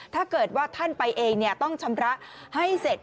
ถ้าเกิดว่าท่านไปเองต้องชำระให้เสร็จ